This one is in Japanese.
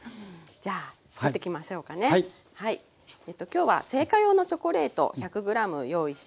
今日は製菓用のチョコレート１００ｇ用意しました。